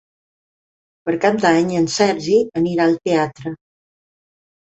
Per Cap d'Any en Sergi anirà al teatre.